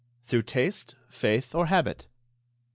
"Through taste, faith, or habit?"